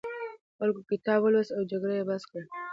خلکو کتاب ولوست او جګړه یې بس کړه.